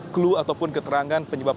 clue ataupun keterangan penyebab